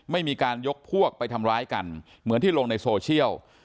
ไม่มีการยกพวกไปทำร้ายกันเหมือนที่ลงในโซเชียล